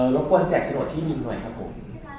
รบกวนแจกโฉนดที่ดินหน่อยครับผม